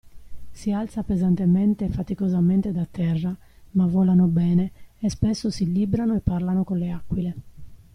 Si alza pesantemente e faticosamente da terra, ma volano bene, e spesso si librano e parlano con le aquile.